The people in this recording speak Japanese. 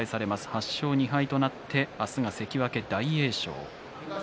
８勝２敗となって明日は関脇大栄翔。